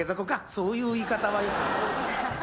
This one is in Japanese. そういう言い方はよくない。